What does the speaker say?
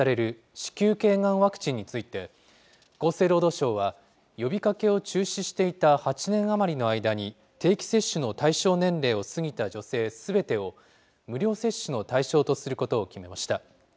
子宮けいがんワクチンについて、厚生労働省は呼びかけを中止していた８年余りの間に、定期接種の対象年齢を過ぎた女性すべてを、無料接種の対象とすることを決めました。